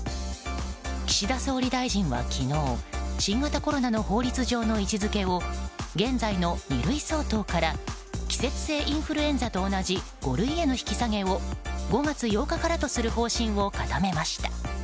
岸田総理大臣は昨日新型コロナの法律上の位置づけを現在の二類相当から季節性インフルエンザと同じ五類への引き下げを５月８日からとする方針を固めました。